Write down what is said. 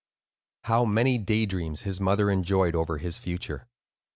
How many daydreams his mother enjoyed over his future!